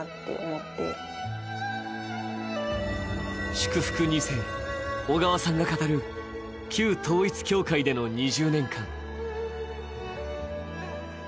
祝福２世・小川さんが語る、旧統一教会での２０年間。